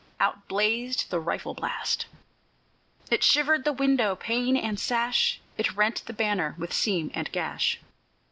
out blazed the rifle blast. It shivered the window, pane and sash; It rent the banner with seam and gash.